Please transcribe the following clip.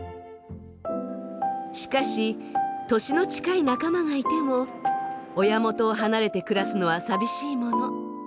しかし年の近い仲間がいても親元を離れて暮らすのは寂しいもの。